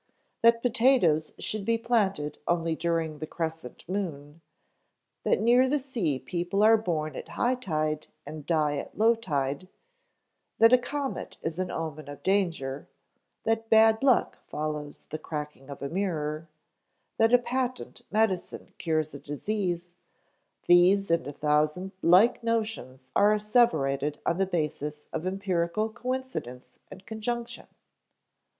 That potatoes should be planted only during the crescent moon, that near the sea people are born at high tide and die at low tide, that a comet is an omen of danger, that bad luck follows the cracking of a mirror, that a patent medicine cures a disease these and a thousand like notions are asseverated on the basis of empirical coincidence and conjunction.